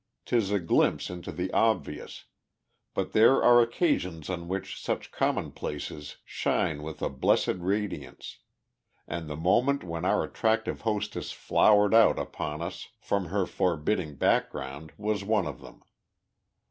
'Tis a glimpse into the obvious, but there are occasions on which such commonplaces shine with a blessed radiance, and the moment when our attractive hostess flowered out upon us from her forbidding background was one of them.